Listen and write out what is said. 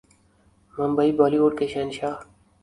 Mumbai Bollywood کے شہنشاہ